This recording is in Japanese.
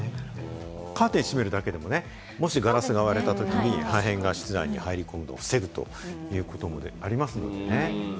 カーテン閉めるだけでもね、もしガラスが割れたときに破片が室内に入り込むのを防ぐということもありますのでね。